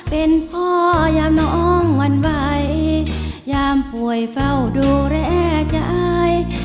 เป็นพ่อยามน้องหวั่นไหวยามป่วยเฝ้าดูแลใจ